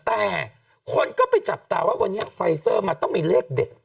แต่คนก็ไปจับตาว่าวันนี้ไฟเซอร์มันต้องมีเลขเด็ด